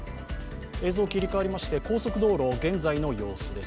映像切り替わりまして高速道路現在の様子です。